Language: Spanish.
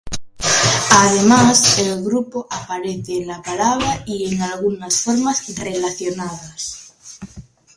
Además, el grupo aparece en la palabra y en algunas formas relacionadas.